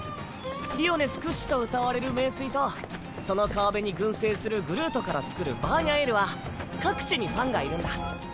リオネス屈指とうたわれる名水とその川辺に群生するグルートから作るバーニャエールは各地にファンがいるんだ。